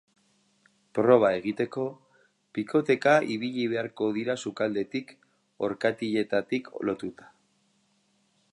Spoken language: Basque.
Proba egiteko, bikoteka ibili beharko dira sukaldetik, orkatiletatik lotuta.